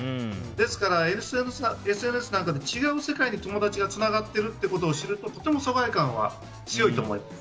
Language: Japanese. ですからＳＮＳなんかで違う世界に友達がつながっていることを知るととても疎外感は強いと思います。